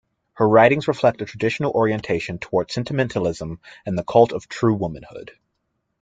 Her writings reflect a traditional orientation toward sentimentalism and the cult of true womanhood.